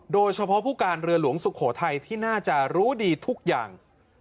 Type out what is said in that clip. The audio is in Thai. โดยเฉพาะผู้การเรือหลวงสุโขทัยที่น่าจะรู้ดีทุกอย่าง